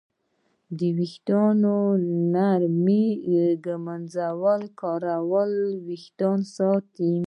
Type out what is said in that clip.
د ویښتانو نرمې ږمنځې کارول وېښتان ساتي.